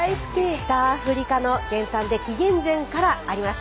北アフリカの原産で紀元前からあります。